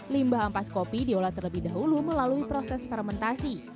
limbah ampas kopi diolah terlebih dahulu melalui proses fermentasi